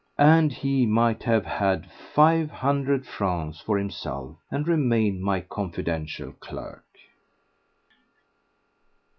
And he might have had five hundred francs for himself and remained my confidential clerk.